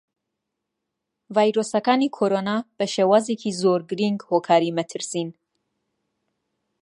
ڤایرۆسەکانی کۆڕۆنا بەشێوازێکی زۆر گرینگ هۆکاری مەترسین.